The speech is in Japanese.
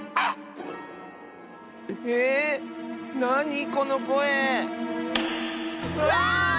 なにこのこえ⁉うわあっ！